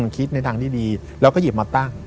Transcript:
คิดในทางที่ดีแล้วก็หยิบมาตั้ง